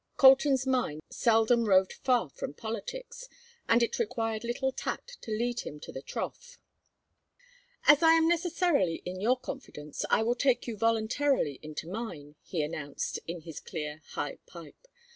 Colton's mind seldom roved far from politics, and it required little tact to lead him to the trough. "As I am necessarily in your confidence I will take you voluntarily into mine," he announced, in his clear high pipe.